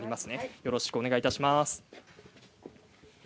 よろしくお願いします。